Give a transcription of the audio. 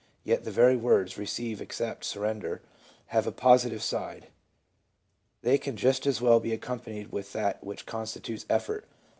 Yetthe very words "receive," " accept," " surrender," have a pos itive side ; they can just as well be accompanied with that which constitutes effort.